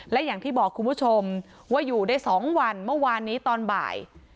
และอย่างที่บอกคุณผู้ชมว่าอยู่ได้๒วันเมื่อวานนี้ตอนบ่าย